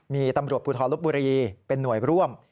มีท่านท่านปพลตรบบวรีเป็นหน่วยร่วม